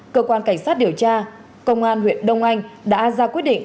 cơ quan cảnh sát điều tra công an huyện đông anh đã ra quyết định